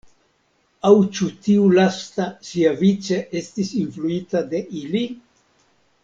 Aŭ ĉu tiu lasta siavice estis influita de ili?